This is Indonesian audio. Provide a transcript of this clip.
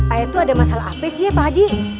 ayah tuh ada masalah apa sih ya pak haji